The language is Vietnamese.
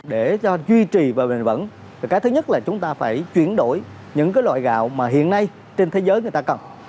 để cho duy trì và bền vững và cái thứ nhất là chúng ta phải chuyển đổi những cái loại gạo mà hiện nay trên thế giới người ta cần